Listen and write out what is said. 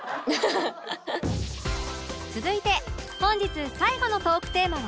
続いて本日最後のトークテーマは